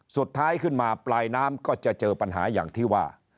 สุดท้ายขึ้นมาปลายน้ำก็จะเจอปัญหาอย่างที่ว่า